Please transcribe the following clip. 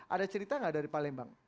ada cerita nggak dari palembang